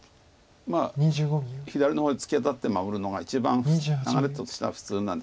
まあ左の方へツキアタって守るのが一番流れとしては普通なんですけど。